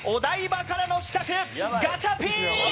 お台場からの刺客、ガチャピン！